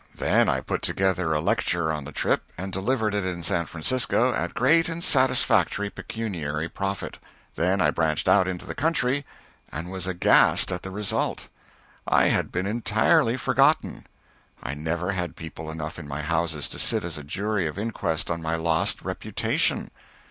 Then I put together a lecture on the trip and delivered it in San Francisco at great and satisfactory pecuniary profit, then I branched out into the country and was aghast at the result: I had been entirely forgotten, I never had people enough in my houses to sit as a jury of inquest on my lost reputation!